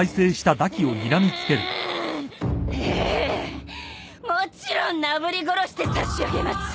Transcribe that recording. ええもちろんなぶり殺して差し上げます。